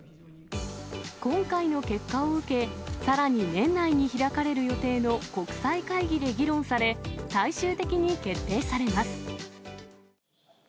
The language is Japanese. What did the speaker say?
今回の結果を受け、さらに年内に開かれる予定の国際会議で議論され、最終的に決定されます。